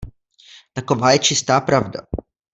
Taková je čistá pravda.